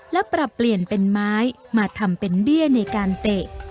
และปรับเปลี่ยนเป็นไม้มาทำเป็นเบี้ยในการเตะ